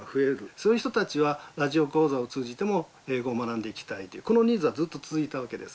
そういう人たちはラジオ講座を通じても英語を学んでいきたいというこのニーズはずっと続いたわけです。